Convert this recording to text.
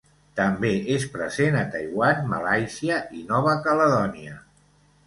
També és present a Taiwan, Malàisia i Nova Caledònia.